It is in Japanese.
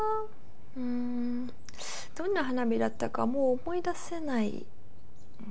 うーんどんな花火だったかもう思い出せない。